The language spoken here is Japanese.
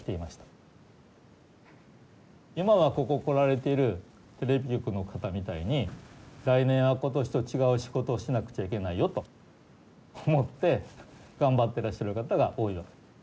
今はここ来られているテレビ局の方みたいに来年は今年と違う仕事をしなくちゃいけないよと思って頑張ってらっしゃる方が多いわけ。